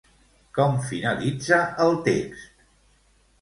Com finalitza el text?